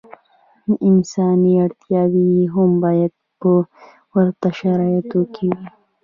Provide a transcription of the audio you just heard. انساني اړتیاوې یې هم باید په ورته شرایطو کې وي.